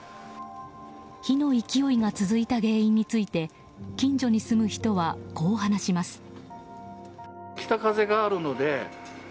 火の勢いが続いた原因について近所に住む人はこう話します。